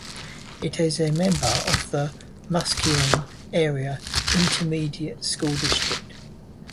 It is a member of the Muskegon Area Intermediate School District.